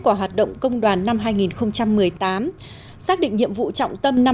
quả hoạt động công đoàn năm hai nghìn một mươi tám xác định nhiệm vụ trọng tâm năm hai nghìn một mươi